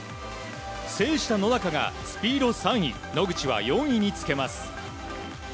制した野中がスピード３位野口は４位につけます。